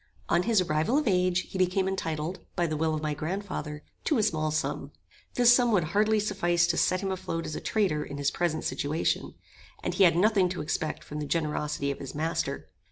On his arrival of age he became entitled, by the will of my grand father, to a small sum. This sum would hardly suffice to set him afloat as a trader in his present situation, and he had nothing to expect from the generosity of his master.